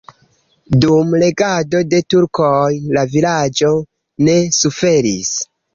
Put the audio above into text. Dum regado de turkoj la vilaĝo ne suferis.